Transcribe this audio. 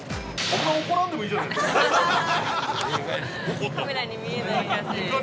そんな怒らんでもいいじゃないですか。